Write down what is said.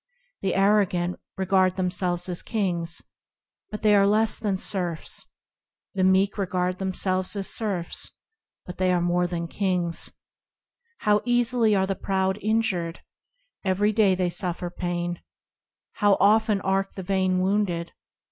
The arrogant regard themselves as kings, But they are less than serfs; The meek regard themselves as serfs, But they are more than kings, How easily are the proud injured, Every day they suffer pain ; How often arc the vain wounded.